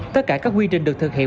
tất cả các quy trình được thực hiện